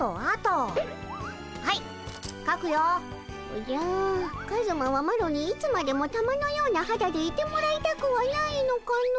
おじゃカズマはマロにいつまでも玉のようなはだでいてもらいたくはないのかの？